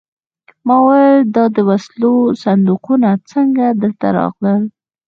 ما وویل دا د وسلو صندوقونه څنګه دلته راغلل